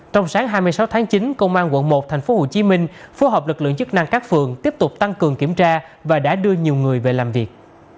trong sáng hai mươi sáu tháng chín công an quận một tp hcm phối hợp lực lượng chức năng các phường tiếp tục tăng cường kiểm tra và đã đưa nhiều người về làm việc